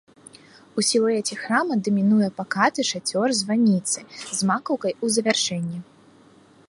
У сілуэце храма дамінуе пакаты шацёр званіцы з макаўкай у завяршэнні.